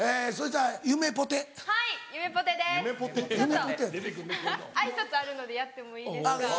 ちょっと挨拶あるのでやってもいいですか？